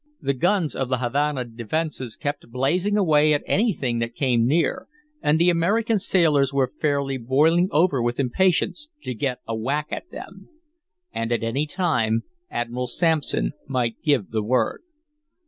The guns of the Havana defenses kept blazing away at anything that came near, and the American sailors were fairly boiling over with impatience to get a whack at them. And at any time Admiral Sampson might give the word.